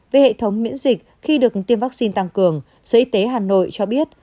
về hệ thống miễn dịch khi được tiêm vaccine tăng cường sở y tế hà nội cho biết